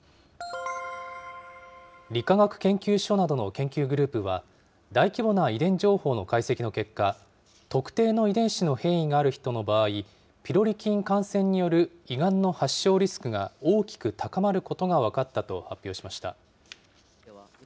理化学研究所などの研究グループは、大規模な遺伝情報の解析の結果、特定の遺伝子の変異がある人の場合、ピロリ菌感染による胃がんの発症リスクが大きく高まることが分かったと発表しました。